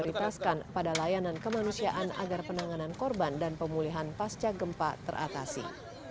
prioritaskan pada layanan kemanusiaan agar penanganan korban dan pemulihan pasca gempa teratasi